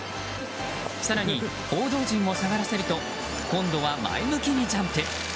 更に、報道陣を下がらせると今度は前向きにジャンプ。